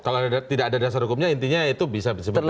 kalau tidak ada dasar hukumnya intinya itu bisa disebut